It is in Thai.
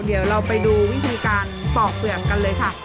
เดี๋ยวเราไปดูวิธีการปอกเปื่อมกันเลยค่ะ